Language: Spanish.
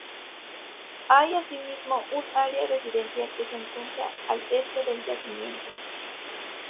Hay asimismo un área residencial que se encuentra al este del yacimiento.